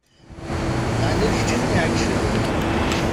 Ɛni d kečč i ten-iɛeggcen?